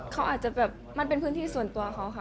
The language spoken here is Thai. เขาอาจจะแบบมันเป็นพื้นที่ส่วนตัวเขาค่ะ